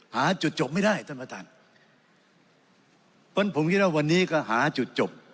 หาจุดจบไม่ได้ท่านประธานเพราะฉะนั้นผมคิดว่าวันนี้ก็หาจุดจบ